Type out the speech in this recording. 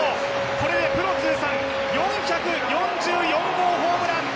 これでプロ通算４４４号ホームラン。